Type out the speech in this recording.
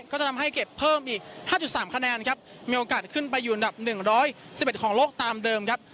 ก็จะทำให้เก็บเพิ่มอีก๕๓คะแนนครับมีโอกาสขึ้นไปอยู่อันดับ๑๑๑ของโลกตามเดิมครับ